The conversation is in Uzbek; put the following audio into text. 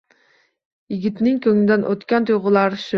Yigitning ko‘nglidan o‘tgan tuyg‘ulari shu.